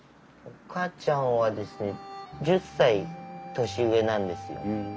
岡ちゃんはですね１０歳年上なんですよ。